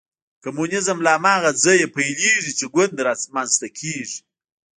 کمونیزم له هماغه ځایه پیلېږي چې ګوند رامنځته کېږي.